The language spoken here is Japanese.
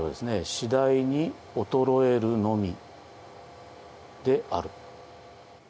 「次第に衰えるのみである」。